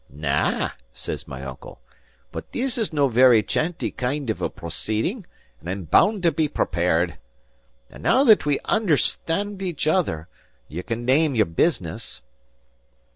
"Na," says my uncle, "but this is no a very chanty kind of a proceeding, and I'm bound to be prepared. And now that we understand each other, ye'll can name your business."